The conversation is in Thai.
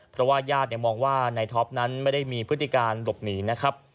เพราะว่าญาติมองว่านายท็อปนั้นไม่ได้มีพฤติการหลบหนีนะครับ